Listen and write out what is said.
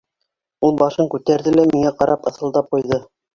Ул башын күтәрҙе лә, миңә ҡарап, ыҫылдап ҡуйҙы.